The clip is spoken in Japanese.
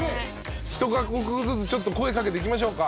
１カ国ずつちょっと声かけていきましょうか。